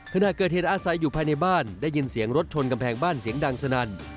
ขณะเกิดเหตุอาศัยอยู่ภายในบ้านได้ยินเสียงรถชนกำแพงบ้านเสียงดังสนั่น